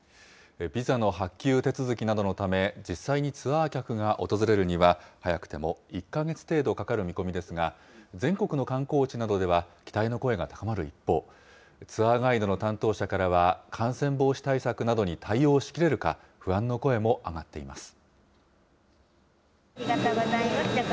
ビザの発給手続きなどのため、実際にツアー客が訪れるには、早くても１か月程度かかる見込みですが、全国の観光地などでは期待の声が高まる一方、ツアーガイドの担当者からは、感染防止対策などに対応しきれるか、不安の声も上がっています。